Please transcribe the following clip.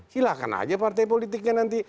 silahkan aja partai politiknya nanti